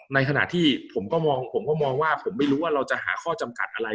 ในขณะที่ผมก็มองผมก็มองว่าผมไม่รู้ว่าเราจะหาข้อจำกัดอะไร